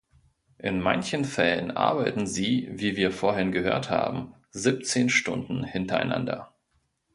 In manchen Fällen arbeiten sie, wie wir vorhin gehört haben, siebzehn Stunden hintereinander.